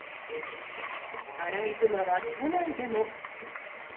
アライグマは都内でも。